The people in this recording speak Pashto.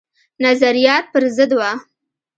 نظریات پر ضد وه.